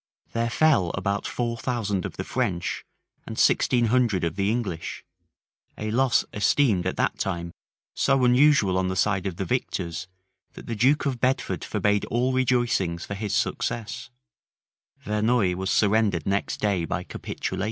There fell about four thousand of the French, and sixteen hundred of the English; a loss esteemed, at that time, so unusual on the side of the victors, that the duke of Bedford forbade all rejoicings for his success, Verneuil was surrendered next day by capitulation.